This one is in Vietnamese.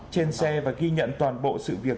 trên xe và ghi nhận toàn bộ sự việc